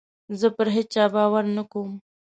زه پر هېچا باور نه کوم.